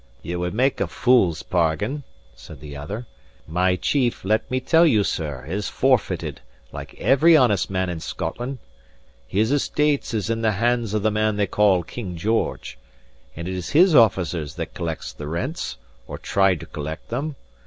"Ye would make a fool's bargain," said the other. "My chief, let me tell you, sir, is forfeited, like every honest man in Scotland. His estate is in the hands of the man they call King George; and it is his officers that collect the rents, or try to collect them.